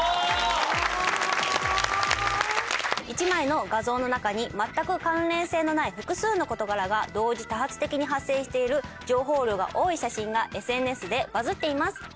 １枚の画像の中に全く関連性のない複数の事柄が同時多発的に発生している情報量が多い写真がＳＮＳでバズっています。